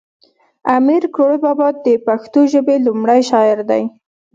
امیر کړوړ بابا د پښتو ژبی لومړی شاعر دی